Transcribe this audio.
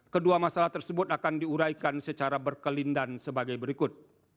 kedua masalah tersebut akan diuraikan secara berkelindan sebagai berikut